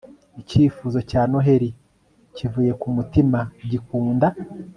icyifuzo cya noheri kivuye ku mutima, gikunda